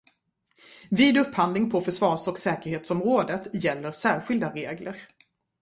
Vid upphandling på försvars- och säkerhetsområdet gäller särskilda regler.